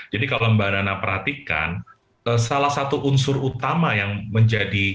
jadi kalau mbak nana perhatikan salah satu unsur utama yang menjadi